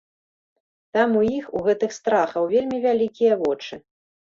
Там у іх, у гэтых страхаў, вельмі вялікія вочы.